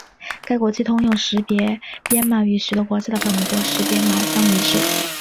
该国际通用识别编码与许多国家的本国识别码相一致。